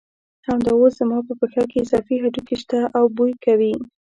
همدا اوس زما په پښه کې اضافي هډوکي شته او بوی کوي.